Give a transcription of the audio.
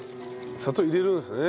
砂糖入れるんですね。